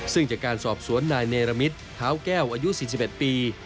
ซึ่งจากการสอบสวนนายเนรมิตเท้าแก้วอายุ๔๑ปี